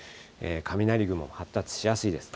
雷雲も発達しやすいです。